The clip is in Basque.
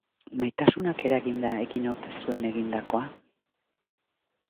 Maitasunak eraginda egin ote zuen egindakoa?